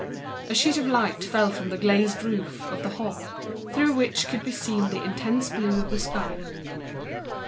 A ray of sun fell from the glazed roof of the hall, through which could be seen the ardent blue of the sky.